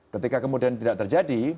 ketika kemudian tidak terjadi